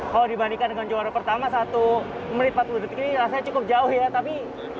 kalau dibandingkan dengan juara pertama satu menit empat puluh detik ini rasanya cukup jauh ya tapi